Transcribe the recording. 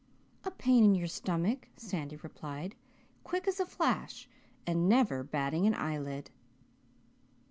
'A pain in your stomach,' Sandy replied, quick as a flash and never batting an eyelid.